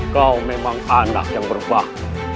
kau memang anak yang berbahasa